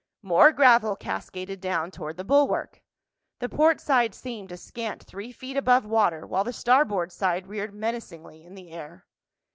More gravel cascaded down toward the bulwark. The portside seemed a scant three feet above water while the starboard side reared menacingly in the air.